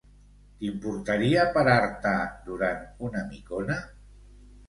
T'importaria parar-te durant una micona?